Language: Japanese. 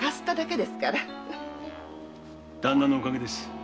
旦那のおかげです。